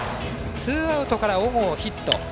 ツーアウトから小郷がヒット。